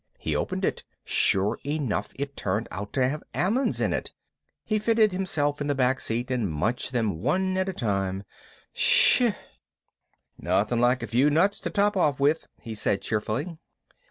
He opened it. Sure enough it turned out to have almonds in it. He fitted himself in the back seat and munched them one at a time. Ish! "Nothing like a few nuts to top off with," he said cheerfully.